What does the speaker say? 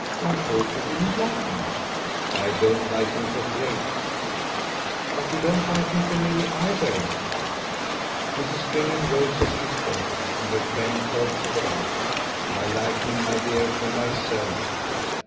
"I thought you didn't like him!" "I don't like him for Kate." "But you don't like him for Milly either." Mrs. Stringham rose as she spoke, and her friend also got up. "I like him, my dear, for myself."